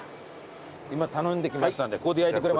今頼んできましたんでここで焼いてくれます。